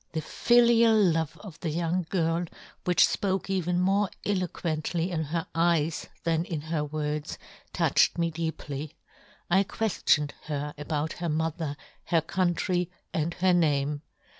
" The filial love of the young " girl, which fpoke even more elo quently in her eyes than in her 132 John Gutenberg. " words, touched me deeply. I " queftioned her about her mother, " her country, and her name.